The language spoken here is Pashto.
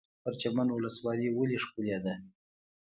پرچمن ولسوالۍ ولې ښکلې ده؟